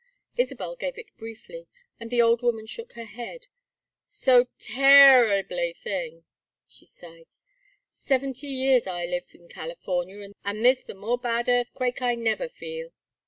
Isabel gave it briefly, and the old woman shook her head. "So terreeblay thing!" she sighed. "Seventy years I live in California and this the more bad earthquake I never feel.